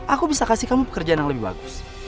aku bisa kasih kamu pekerjaan yang lebih bagus